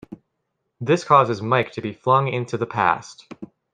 This causes Mike to be flung into the past.